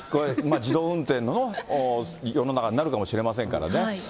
自動運転の世の中になるかもしれませんからね。